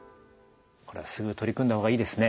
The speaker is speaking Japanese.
これはすぐ取り組んだ方がいいですね。